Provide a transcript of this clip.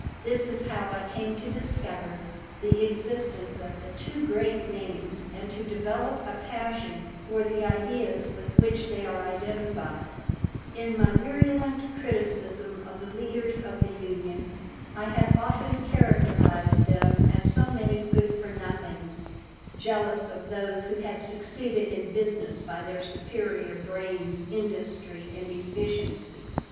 This is how I came to discover the existence of the two great names and to develop a passion for the ideas with which they are identified In my virulent criticism of the leaders of the union I had often characterized them as so many good for nothings, jealous of those who had succeeded in business by their superior brains, industry, and efficiency.